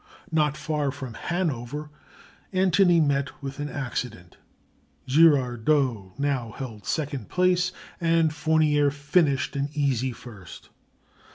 Not far from Hanover Antony met with an accident Girardot now held second place; and Fournier finished an easy first.